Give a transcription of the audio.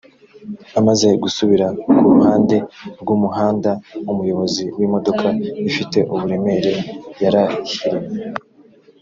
amaze gusubira ku ruhande rw’umuhanda umuyobozi w’imodoka ifite uburemere yarahirimye